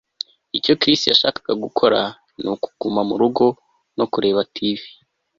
Icyo Chris yashakaga gukora ni ukuguma murugo no kureba TV